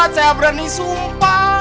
saya berani sumpah